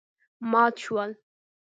مات شول.